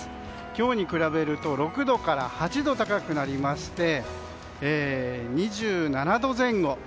今日に比べると６度から８度高くなりまして２７度前後。